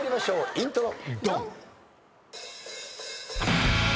イントロ。